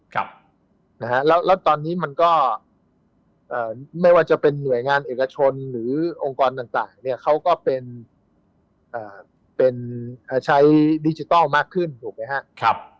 ครับนะฮะแล้วตอนนี้มันก็ไม่ว่าจะเป็นหน่วยงานเอกชนหรือองค์กรต่างเนี่ยเขาก็เป็นใช้ดิจิทัลมากขึ้นถูกไหมครับ